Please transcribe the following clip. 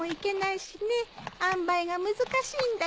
あんばいが難しいんだよ。